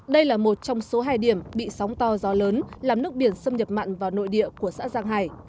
đây là một trong số hai điểm bị sóng to gió lớn làm nước biển xâm nhập mặn vào nội địa của xã giang hải